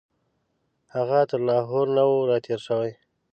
هغه تر لاهور نه وو راتېر شوی.